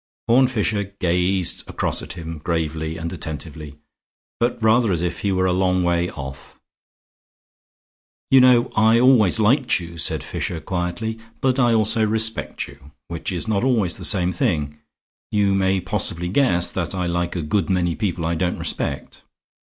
Horne Fisher gazed across at him gravely and attentively, but rather as if he were a long way off. "You know I always liked you," said Fisher, quietly, "but I also respect you, which is not always the same thing. You may possibly guess that I like a good many people I don't respect.